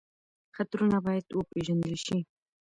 خطرونه باید وپېژندل شي.